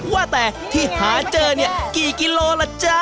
ว่าแต่ที่หาเจอเนี่ยกี่กิโลล่ะจ๊ะ